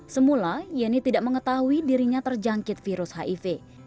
semula yeni tidak mengetahui dirinya terjangkit virus hiv